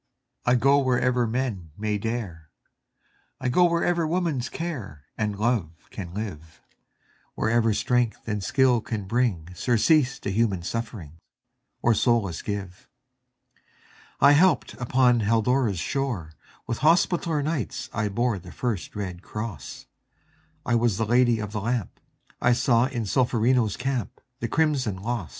I go wherever men may dare, I go wherever woman's care And love can live, Wherever strength and skill can bring Surcease to human suffering, Or solace give. I helped upon Haldora's shore; With Hospitaller Knights I bore The first red cross; I was the Lady of the Lamp; I saw in Solferino's camp The crimson loss.